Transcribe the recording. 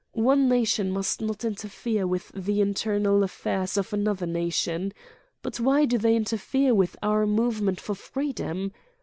One na tion must not interfere with the internal affairs of another nation. But why do they interfere with our movement for freedom?